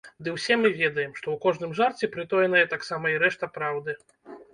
Ды ўсе мы ведаем, што ў кожным жарце прытоеная таксама і рэшта праўды.